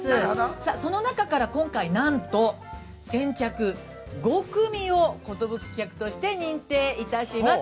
さあその中から、今回、何と先着５組を寿客として認定いたします。